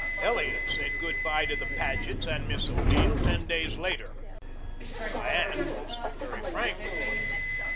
Elliot said good bye to the Pagets and Miss O'Neill ten days later. Diane was very frank with him.